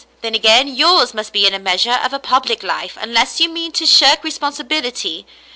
Then again, yours must be in a measure a public life, unless you mean to shirk responsibility.